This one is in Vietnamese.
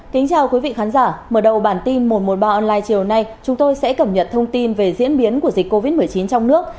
kính chào quý vị khán giả mở đầu bản tin một trăm một mươi ba online chiều nay chúng tôi sẽ cập nhật thông tin về diễn biến của dịch covid một mươi chín trong nước